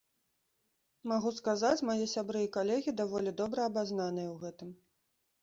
Магу сказаць, мае сябры і калегі даволі добра абазнаныя ў гэтым.